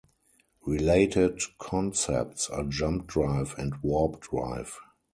Related concepts are jump drive and warp drive.